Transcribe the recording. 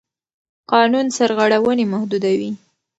قانون سرغړونې محدودوي.